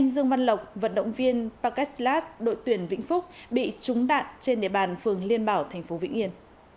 công an lộc vận động viên parkeslas đội tuyển vĩnh phúc bị trúng đạn trên địa bàn phường liên bảo thành phố vĩnh yên